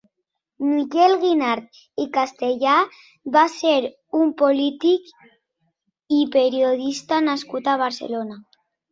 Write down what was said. Miquel Guinart i Castellà va ser un polític i periodista nascut a Barcelona.